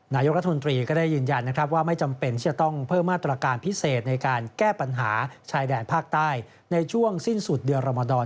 นายกรัฐมนตรีก็ได้ยืนยันนะครับว่าไม่จำเป็นที่จะต้องเพิ่มมาตรการพิเศษในการแก้ปัญหาชายแดนภาคใต้ในช่วงสิ้นสุดเดือนรมดร